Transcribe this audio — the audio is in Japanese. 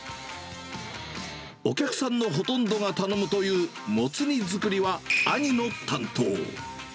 お客さんのほとんどが頼むというもつ煮作りは、兄の担当。